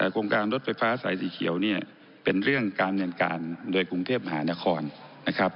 โครงการรถไฟฟ้าสายสีเขียวเนี่ยเป็นเรื่องการเงินการโดยกรุงเทพมหานครนะครับ